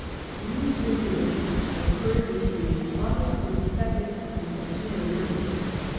These incidents occurred between August 22nd and September 9th.